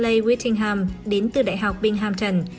đại học winningham đến từ đại học binghamton